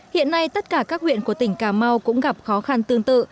hiện nay tất cả các huyện của tỉnh cà mau cũng gặp khó khăn tương tự